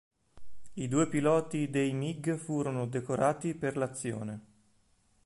I due piloti dei MiG furono decorati per l'azione.